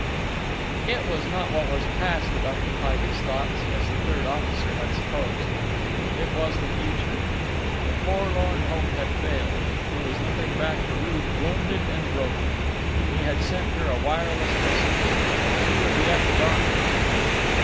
Kirk stood motionless at the rail, thinking. It was not what was past that occupied his thoughts, as the third officer had supposed; it was the future. The forlorn hope had failed; he was limping back to Ruth wounded and broken. He had sent her a wireless message. She would be at the dock to meet him.